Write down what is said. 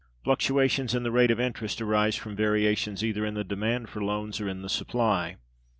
Fluctuations in the rate of interest arise from variations either in the demand for loans or in the supply.